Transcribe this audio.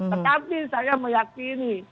tetapi saya meyakini